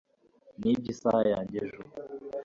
nibye isaha yanjye ejo